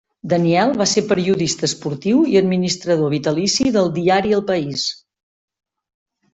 Daniel va ser periodista esportiu i administrador vitalici del diari El País.